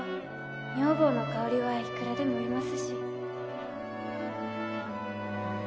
女房の代わりはいくらでもいますし